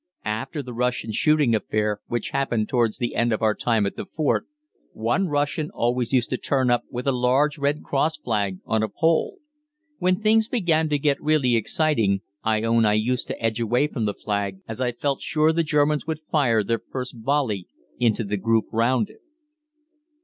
After the Russian shooting affair, which happened towards the end of our time at the fort, one Russian always used to turn up with a large Red Cross flag on a pole. When things began to get really exciting, I own I used to edge away from the flag, as I felt sure the Germans would fire their first volley into the group round it.